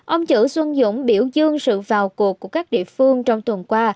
ông chữ xuân dũng biểu dương sự vào cuộc của các địa phương trong tuần qua